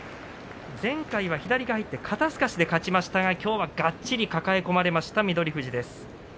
前回は左が入って肩すかしで勝ちましたがきょうはがっちり抱え込まれました翠富士です。